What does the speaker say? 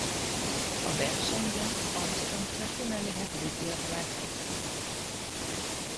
A verseny Lance Armstrong történelmi hetedik diadalát hozta.